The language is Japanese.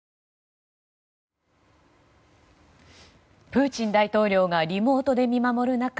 プーチン大統領がリモートで見守る中